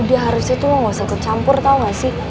udah harusnya tuh lu nggak usah tercampur tau nggak sih